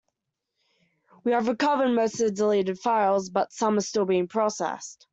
We have recovered most of the deleted files, but some are still being processed.